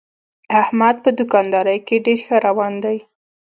احمد په دوکاندارۍ کې ډېر ښه روان دی.